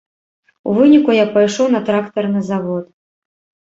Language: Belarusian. У выніку я пайшоў на трактарны завод.